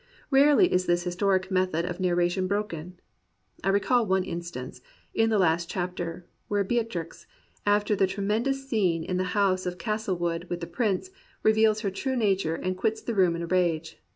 Rarely is this historic method of narration broken. I recall one instance, in the last chapter, where Beatrix, after that tremendous scene in the house of Castlewood with the Prince, reveals her true nature and quits the room in a rage.